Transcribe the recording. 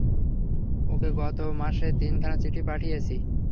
ওকে গত মাসে তিন খানা চিঠি পাঠিয়েছি!